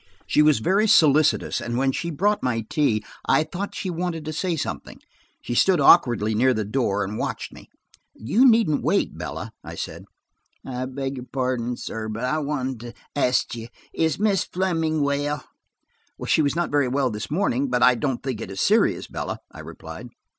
She was very solicitous, and when she had brought my tea, I thought she wanted to say something. She stood awkwardly near the door, and watched me. "You needn't wait, Bella," I said. "I beg your pardon, sir, but–I wanted to ask you–is Miss Fleming well?" "She was not very well this morning, but I don't think it is serious, Bella," I replied.